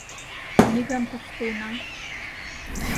Книгам пыштена.